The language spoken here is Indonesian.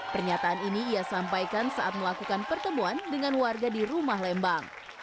pernyataan ini ia sampaikan saat melakukan pertemuan dengan warga di rumah lembang